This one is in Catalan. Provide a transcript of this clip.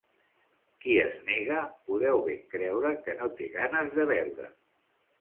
Qui es nega, podeu ben creure que no té ganes de beure.